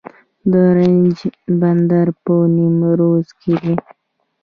د زرنج بندر په نیمروز کې دی